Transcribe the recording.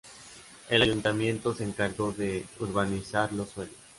El Ayuntamiento se encargó de urbanizar los suelos.